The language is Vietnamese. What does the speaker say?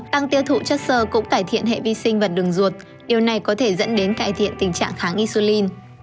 tăng tiêu thụ chất sơ cũng cải thiện hệ vi sinh vật đường ruột điều này có thể dẫn đến cải thiện tình trạng kháng isulin